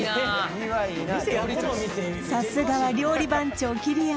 さすがは料理番長桐山